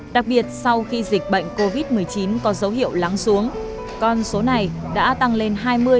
đặc biệt sau khi dịch bệnh covid một mươi chín có dấu hiệu lắng xuống con số này đã tăng lên hai mươi ba mươi